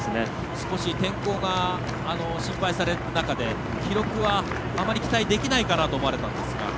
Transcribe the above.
少し天候が心配される中で記録はあまり期待できないかなと思われたんですが。